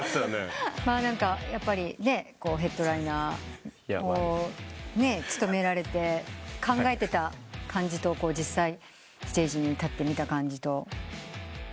何かやっぱりヘッドライナーを務められて考えてた感じと実際ステージに立ってみた感じとどうでしたか？